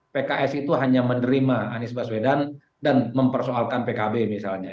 pks itu hanya menerima anies baswedan dan mempersoalkan pkb misalnya